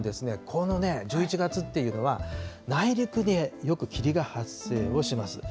この１１月っていうのは、内陸でよく霧が発生をします。